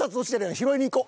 拾いに行こ！